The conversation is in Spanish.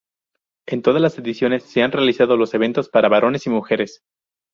En todas las ediciones se han realizado los eventos para varones y mujeres.